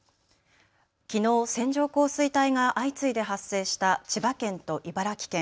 きのう線状降水帯が相次いで発生した千葉県と茨城県。